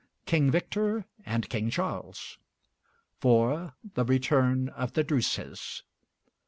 'King Victor and King Charles.' 4. 'The Return of the Druses.'